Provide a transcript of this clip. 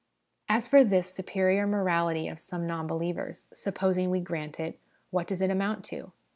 As for this superior morality of some non believers, supposing we grant it, what does it amount to